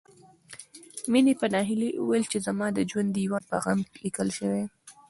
مينې په ناهيلۍ وويل چې زما د ژوند ديوان په غم ليکل شوی